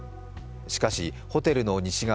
しかし、ホテルの西側